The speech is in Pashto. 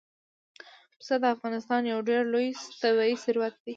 پسه د افغانستان یو ډېر لوی طبعي ثروت دی.